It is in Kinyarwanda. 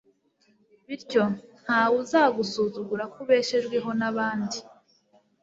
bityo nta we uzagusuzugura ko ubeshejweho n'abandi